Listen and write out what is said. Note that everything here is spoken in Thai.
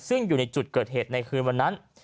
ซึ่งอยู่ในจุดเกิดเหตุในคืนวันนั้น